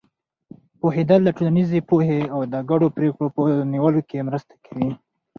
پوهېدل د ټولنیزې پوهې او د ګډو پرېکړو په نیولو کې مرسته کوي.